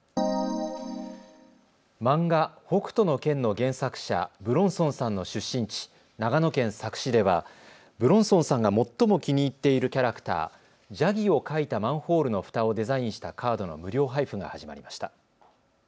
漫画、北斗の拳の原作者、武論尊さんの出身地、長野県佐久市では武論尊さんが最も気に入っているキャラクター、ジャギを描いたマンホールのふたをデザインしたカードの無料配布が始まりました。